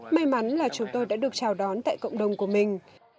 may mắn là chúng tôi đã được chào đón tại cộng đồng của mình